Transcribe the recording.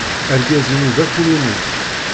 Argaz-inu d apuluni.